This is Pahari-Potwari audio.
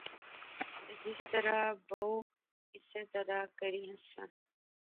تس جس طرح بائو اسے طرح کری ہنساں